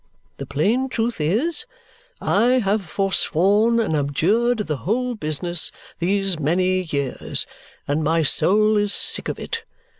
The plain truth is, I have forsworn and abjured the whole business these many years, and my soul is sick of it.